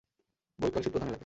বৈকাল শীতপ্রধান এলাকা।